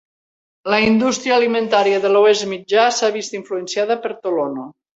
La indústria alimentària de l'Oest Mitjà s'ha vist influenciada per Tolono.